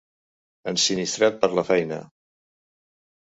Ensinistrat per a la feina.